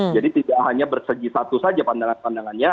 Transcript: jadi tidak hanya bersegi satu saja pandangannya